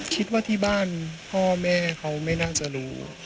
คิดว่าที่บ้านพ่อแม่เขาไม่น่าจะรู้